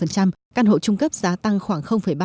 căn hộ chung cấp giá tăng khoảng ba mươi một